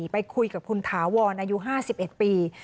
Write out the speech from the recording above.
ไปคุยกับคุณถาวรอายุ๕๑ปี